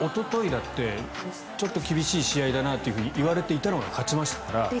おとといだって厳しい試合だといわれていたのが勝ちましたから。